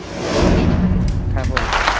จงน้ำที่รักมาก